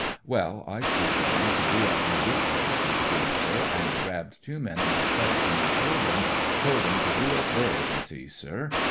Well, I stooped down to do up me boot lace, ye see, sir, an' I grabbed two men o' my section, an' told 'em — ^told 'em to do up theirs, ye see, sir.